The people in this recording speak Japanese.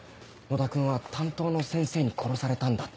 「野田君は担当の先生に殺されたんだ」